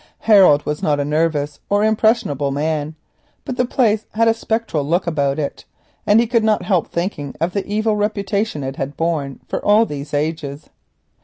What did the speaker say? Harold was not a nervous or impressionable man, but the place had a spectral look about it, and he could not help thinking of the evil reputation it had borne for all those ages.